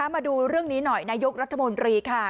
มาดูเรื่องนี้หน่อยนายกรัฐมนตรีค่ะ